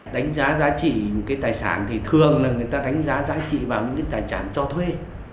đánh giá giá trị một cái tài sản thì thường là người ta đánh giá giá trị vào những cái tài sản cho thuê